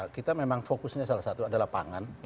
kita memang fokusnya salah satu adalah pangan